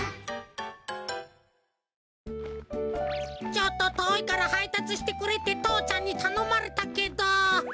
ちょっととおいからはいたつしてくれってとうちゃんにたのまれたけど。